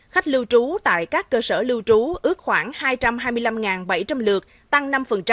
khách lưu trú tại các cơ sở lưu trú ước khoảng hai trăm hai mươi năm bảy trăm linh lượt tăng năm